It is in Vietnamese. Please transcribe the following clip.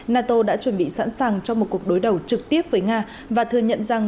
nato đã chuẩn bị sẵn sàng cho một cuộc đối đầu trực tiếp với nga và thừa nhận rằng